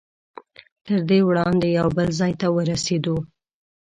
تر دې وړاندې یو بل ځای ته ورسېدو.